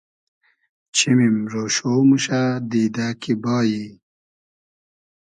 چیمیم رۉشۉ موشۂ دیدۂ کی بایی